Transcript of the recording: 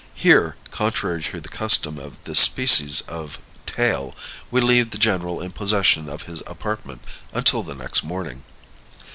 Here, contrary to the custom of this species of tale, we leave the general in possession of his apartment until the next morning.